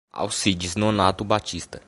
Alcides Nonato Batista